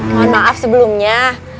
mohon maaf sebelumnya